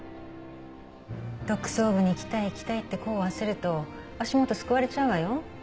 特捜部に行きたい行きたいって功を焦ると足元すくわれちゃうわよ。